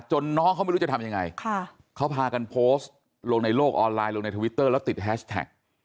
น้องเขาไม่รู้จะทำยังไงเขาพากันโพสต์ลงในโลกออนไลน์ลงในทวิตเตอร์แล้วติดแฮชแท็ก